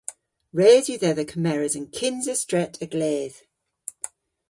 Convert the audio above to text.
Res yw dhedha kemeres an kynsa stret a-gledh.